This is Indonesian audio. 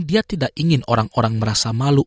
dia tidak ingin orang orang merasa malu